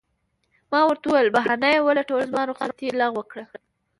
ما ورته وویل: بهانه یې ولټول، زما رخصتي یې لغوه کړه.